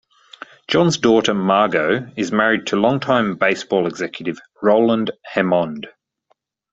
John's daughter Margo is married to longtime baseball executive Roland Hemond.